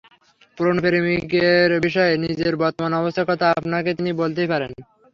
পুরোনো প্রেমিকের বিষয়ে নিজের বর্তমান অবস্থার কথা আপনাকে তিনি বলতেই পারেন।